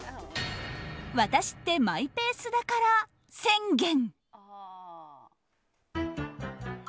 私ってマイペースだから宣言。